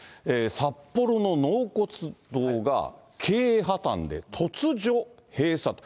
札幌の納骨堂が、経営破綻で突如閉鎖と。